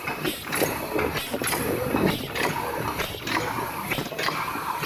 宽头云南鳅为鳅科云南鳅属的鱼类。